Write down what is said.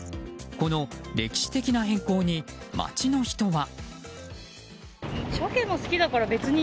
この歴史的な変更に街の人は。